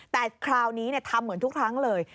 แต่คราวนี้ทำเหมือนทุกครั้งเลย